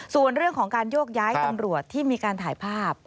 ส่วนเรื่องของการโยกย้ายตำรวจที่มีการถ่ายภาพ